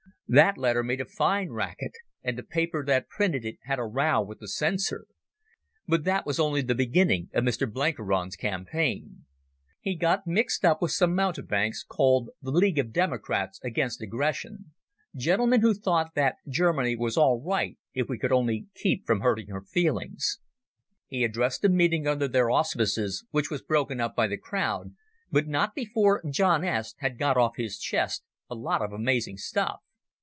That letter made a fine racket, and the paper that printed it had a row with the Censor. But that was only the beginning of Mr Blenkiron's campaign. He got mixed up with some mountebanks called the League of Democrats against Aggression, gentlemen who thought that Germany was all right if we could only keep from hurting her feelings. He addressed a meeting under their auspices, which was broken up by the crowd, but not before John S. had got off his chest a lot of amazing stuff.